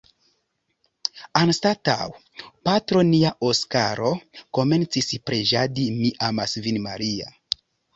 Anstataŭ “Patro nia Oskaro komencis preĝadi Mi amas vin, Maria.